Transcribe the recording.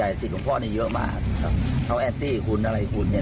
ติดความตายของพ่อนี่เยอะมากครับเขาแอบตี้คุณอะไรคุณเนี้ย